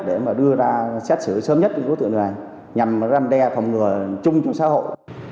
để mà đưa ra xét xử sớm nhất của tựa người nhằm răn đe phòng ngừa chung trong xã hội